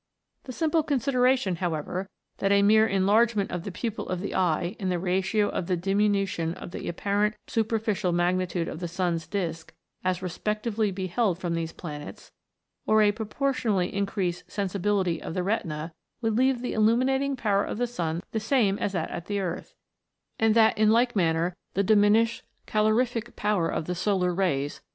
The simple consideration, however, that a mere enlargement of the pupil of the eye in the ratio of the diminution of the apparent superficial magnitude of the sun's disk as respectively beheld from these planets, or a proportionally increased sensibility of the retina, would leave the illuminating power of the sun the same as at the earth and that in like man ner the diminished calorific power of the solar rays A FLIGHT THROUGH SPACE.